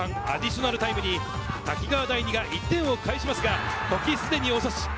後半、アディショナルタイムに滝川第二が１点を返しますが、時すでに遅し。